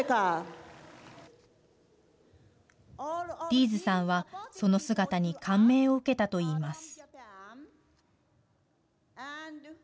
ディーズさんはその姿に感銘を受けたといいます。